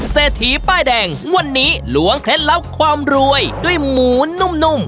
เศรษฐีป้ายแดงวันนี้ล้วงเคล็ดลับความรวยด้วยหมูนุ่ม